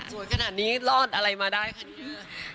สวยขนาดนี้รอดอะไรมาได้คะเนี่ย